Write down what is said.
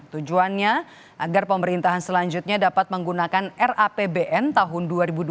tujuannya agar pemerintahan selanjutnya dapat menggunakan rapbn tahun dua ribu dua puluh